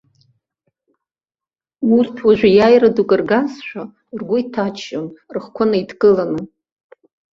Урҭ уажәы иааира дук ргазшәа, ргәы иҭаччон, рыхқәа неидкыланы.